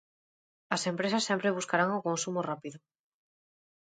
As empresas sempre buscarán o consumo rápido.